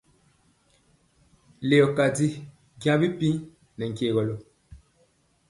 Leyɔ kanji njaŋ bipiiŋ nɛ nkyegɔlɔ.